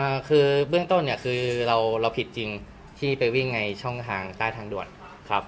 อ่าคือเบื้องต้นเนี่ยคือเราเราผิดจริงที่ไปวิ่งในช่องทางใต้ทางด่วนครับ